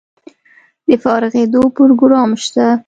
د فارغیدو پروګرام شته؟